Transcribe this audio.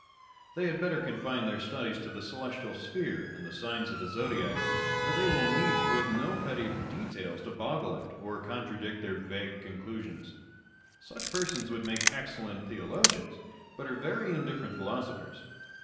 They had better confine their studies to the celestial sphere and the signs of the zodiac; for there they will meet with no petty details to boggle at, or contradict their vague conclusions. Such persons would make excellent theologians, but are very indifferent philosophers.